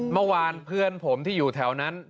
เมื่อวานเพื่อนผมที่อยู่แถวนั้น